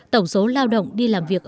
tổng số lao động đi làm việc